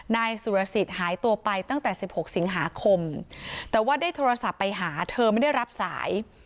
นายสุรสิทธิ์หายตัวไปตั้งแต่๑๖สิงหาคมแต่ว่าได้โทรศัพท์ไปหาเธอไม่ได้รับสาย